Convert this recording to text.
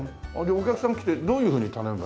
お客さん来てどういうふうに頼めばいいの？